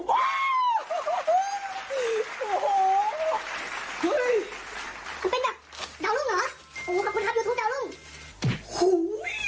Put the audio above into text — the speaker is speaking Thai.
ดาวรุ้มเหรอขอบคุณครับยูทูบดาวรุ้ม